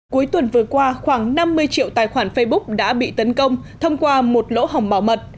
cuối tuần vừa qua khoảng năm mươi triệu tài khoản facebook đã bị tấn công thông qua một lỗ hỏng bảo mật